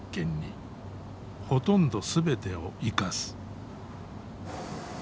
ほとんど全てを生かす。